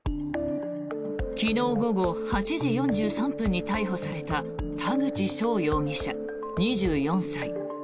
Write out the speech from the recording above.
昨日午後８時４３分に逮捕された田口翔容疑者、２４歳。